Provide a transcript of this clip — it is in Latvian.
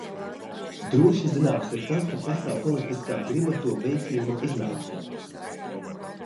Droši zināms ir tas, ka pastāv politiskā griba to veiksmīgam iznākumam.